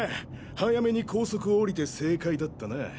早めに高速を降りて正解だったな。